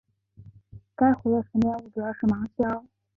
该湖的沉积物主要是芒硝。